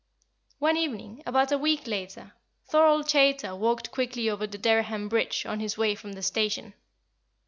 One evening, about a week later, Thorold Chaytor walked quickly over the Dereham bridge on his way from the station.